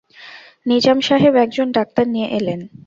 নিজাম সাহেব এক জন ডাক্তার নিয়ে এলেন।